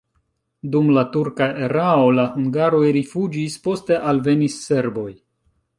Dum la turka erao la hungaroj rifuĝis, poste alvenis serboj.